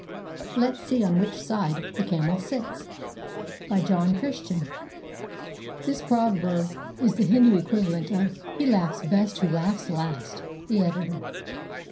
LET'S SEE ON WHICH SIDE THE CAMEL SITS BY JOHN CHRISTIAN [This proverb is the Hindu equivalent of "He laughs best who laughs last." The Editor.